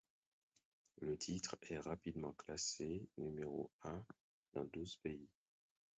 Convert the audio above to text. Le titre est rapidement classé numéro un dans douze pays.